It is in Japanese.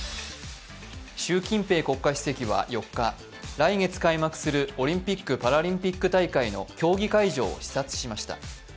習近平国家主席は４日、来月開幕するオリンピック・パラリンピック大会の競技会場を視察しました。